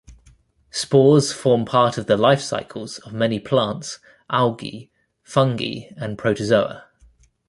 Spores form part of the life cycles of many plants, algae, fungi and protozoa.